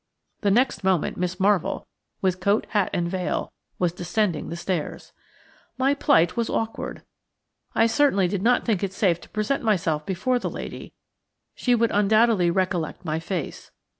The next moment Miss Marvell, with coat, hat, and veil, was descending the stairs. My plight was awkward. I certainly did not think it safe to present myself before the lady; she would undoubtedly recollect my face.